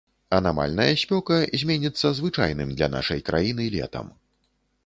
Анамальная спёка зменіцца звычайным для нашай краіны летам.